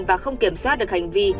và không kiểm soát được hành vi